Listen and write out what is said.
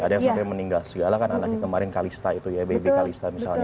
ada yang sampai meninggal segala kan anaknya kemarin kalista itu ya baby kalista misalnya